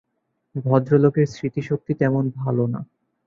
ভদ্রলোকের স্মৃতিশক্তি তেমন ভালো না।